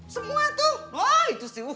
semua itu wah itu sih